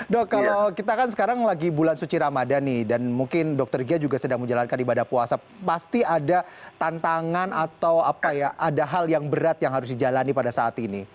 dok kalau kita kan sekarang lagi bulan suci ramadan nih dan mungkin dokter gia juga sedang menjalankan ibadah puasa pasti ada tantangan atau apa ya ada hal yang berat yang harus dijalani pada saat ini